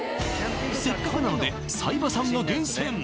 せっかくなのでさいばさんが厳選！